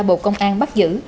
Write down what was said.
bộ công an bắt giữ